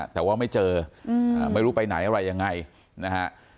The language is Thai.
แต่ว่าไม่เจอไม่รู้ไปไหนอะไรยังไงนะฮะ